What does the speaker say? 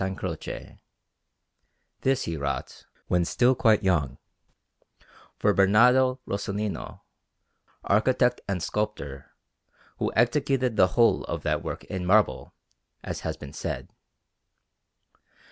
Croce; this he wrought, when still quite young, for Bernardo Rossellino, architect and sculptor, who executed the whole of that work in marble, as has been said.